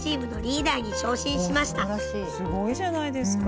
すごいじゃないですか。